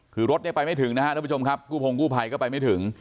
คือรถเนี่ยไปไม่ถึงนะครับทุกผู้ชมครับกู้พงกู้ภัยก็ไปไม่ถึง